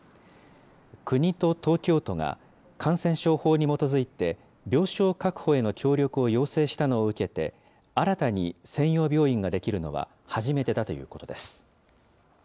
国と東京都が、感染症法に基づいて病床確保への協力を要請したのを受けて、新たに専用病院が出来るのは、初めてだということです。